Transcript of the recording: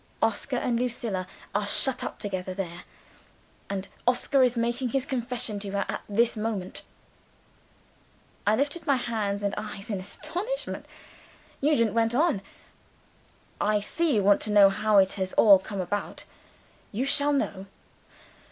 "Oscar and Lucilla are shut up together there. And Oscar is making his confession to her at this moment!" I lifted my hands and eyes in astonishment. Nugent went on. "I see you want to know how it has all come about. You shall know.